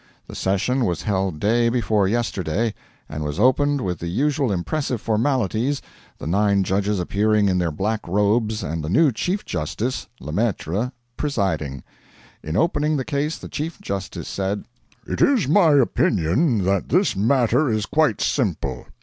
The session was held day before yesterday, and was opened with the usual impressive formalities, the nine judges appearing in their black robes, and the new chief justice (Lemaitre) presiding. In opening the case the chief justice said: 'It is my opinion that this matter is quite simple.